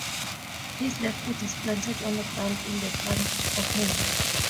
His left foot is planted on the ground in front of him.